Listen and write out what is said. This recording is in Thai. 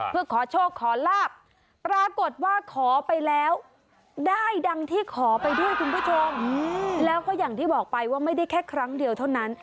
เพื่อขอโชคขอลาบปรากฏว่าขอไปแล้วได้ดังที่ขอไปด้วยคุณผู้ชมแล้วก็อย่างที่บอกไปว่าไม่ได้แค่ครั้งเดียวเท่านั้น